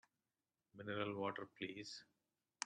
Mineral water please!